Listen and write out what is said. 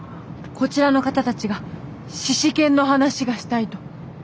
こちらの方たちがシシケンの話がしたいと。